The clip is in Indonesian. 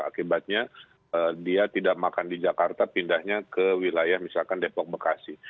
akibatnya dia tidak makan di jakarta pindahnya ke wilayah misalkan depok bekasi